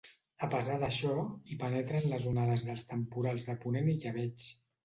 A pesar d'això, hi penetren les onades dels temporals de ponent i llebeig.